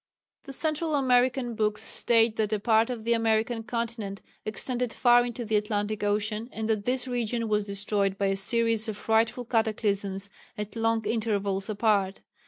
The Central American books state that a part of the American continent extended far into the Atlantic Ocean, and that this region was destroyed by a series of frightful cataclysms at long intervals apart.